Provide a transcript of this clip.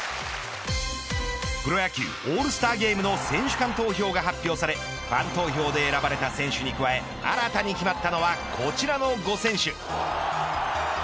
プロ野球オールスターゲームの選手間投票が発表されファン投票で選ばれた選手に加え新たに決まったのはこちらの５選手。